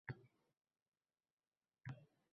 Ko`r-ko`rona rashk Buvsarani butkul aqdan ozdirgandek edi